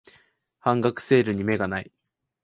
半額セールに目がない